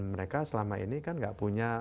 mereka selama ini kan nggak punya